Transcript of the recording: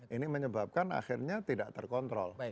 ini menyebabkan akhirnya tidak terkontrol